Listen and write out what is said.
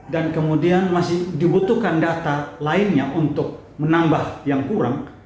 dan kemudian masih dibutuhkan data lainnya untuk menambah yang kurang